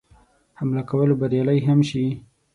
حمله کولو بریالی هم شي.